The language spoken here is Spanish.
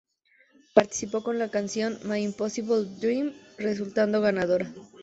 Participó con la canción "My Impossible Dream", resultando ganadora.